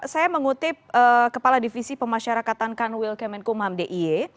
saya mengutip kepala divisi pemasyarakatan kanwil kemenkumham d i e